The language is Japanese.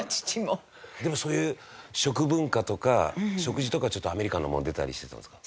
でもそういう食文化とか食事とかはちょっとアメリカンなもの出たりしてたんですか？